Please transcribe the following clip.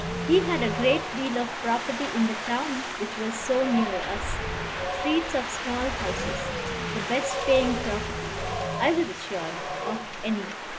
He had a great deal of property in the town which was so near us, streets of small houses, the best paying property (I was assured) of any.